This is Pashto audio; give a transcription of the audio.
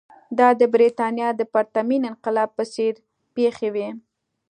دا د برېټانیا د پرتمین انقلاب په څېر پېښې وې.